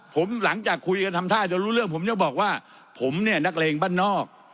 ผมหลังจากคุยกันทำท่าจะรู้เรื่องผมจะบอกว่าผมเนี่ยนักเลงบ้านนอก